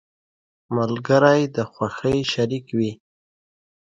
• ملګری د خوښۍ شریك وي.